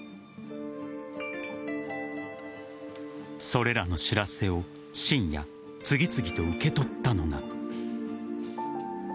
それらの知らせを深夜、次々と受け取ったのが。